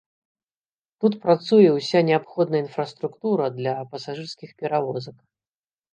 Тут працуе ўся неабходная інфраструктура для пасажырскіх перавозак.